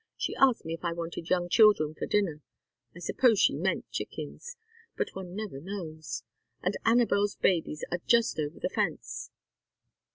She asked me if I wanted young children for dinner. I suppose she meant chickens, but one never knows, and Anabel's babies are just over the fence."